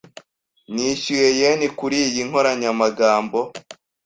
Nishyuye yen kuriyi nkoranyamagambo .